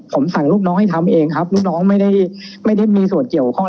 ผมสั่งลูกน้องให้ทำเองครับลูกน้องไม่ได้ไม่ได้มีส่วนเกี่ยวข้อง